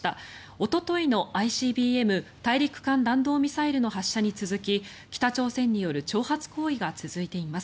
おとといのＩＣＢＭ・大陸間弾道ミサイルの発射に続き北朝鮮による挑発行為が続いています。